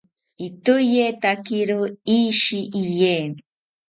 itoetakiro ishi iye